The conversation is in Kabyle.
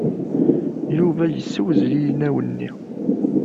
Yuba yessewzel inaw-nni.